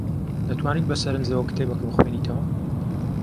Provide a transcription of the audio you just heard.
دەتوانیت بەسەرنجەوە کتێبەکە بخوێنیتەوە؟